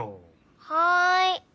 はい。